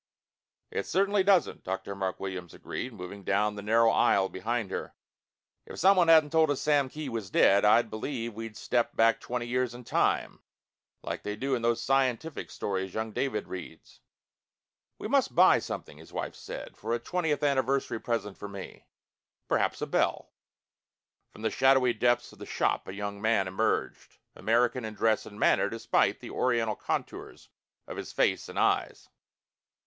"It certainly doesn't," Dr. Mark Williams agreed, moving down the narrow aisle behind her. "If someone hadn't told us Sam Kee was dead, I'd believe we'd stepped back twenty years in time, like they do in those scientific stories young David reads." "We must buy something," his wife said. "For a twentieth anniversary present for me. Perhaps a bell?" From the shadowy depths of the shop a young man emerged, American in dress and manner despite the Oriental contours of his face and eyes.